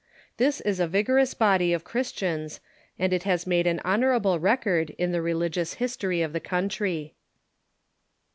This is a vigorous body of Christians, and it has made an honorable record in the religious history of the countr\'.